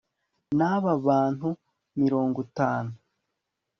n'ab'abantu mirongo itanu